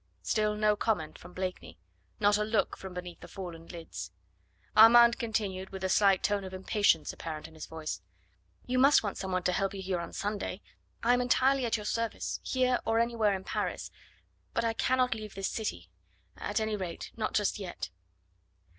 Still no comment from Blakeney, not a look from beneath the fallen lids. Armand continued, with a slight tone of impatience apparent in his voice: "You must want some one to help you here on Sunday. I am entirely at your service... here or anywhere in Paris... but I cannot leave this city... at any rate, not just yet...."